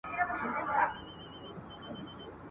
رسنۍ د پوهاوي وسیله ده.